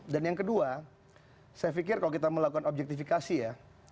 dan yang kedua saya pikir kalau kita melakukan objektifikasi ya